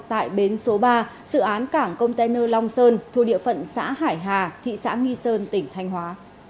tại bến số ba dự án cảng container long sơn thu địa phận xã hải hà thị xã nghi sơn tỉnh thanh hóa